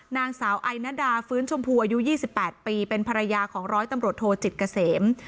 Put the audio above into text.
นางสาวไอนดาฟื้นชมพูอายุ๒๘ปีเป็นภรรยาของร้อยตำรวจโทจิตเกษม